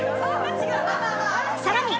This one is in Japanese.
さらに